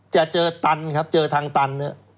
จะเจอตันครับเจอทางตัน